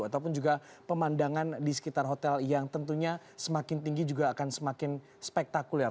ataupun juga pemandangan di sekitar hotel yang tentunya semakin tinggi juga akan semakin spektakuler